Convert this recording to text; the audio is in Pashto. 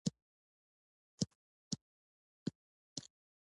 • د لاس ساعت د شخصیت ښکارندویي کوي.